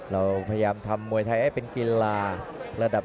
ขอบคุณครับ